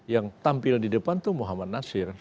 yang tampil di depan itu muhammad nasir